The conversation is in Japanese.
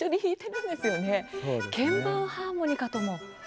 鍵盤ハーモニカとも。